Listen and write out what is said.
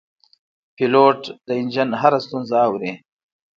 پیلوټ د انجن هره ستونزه اوري.